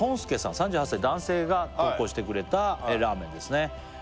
３８歳男性が投稿してくれたラーメンですね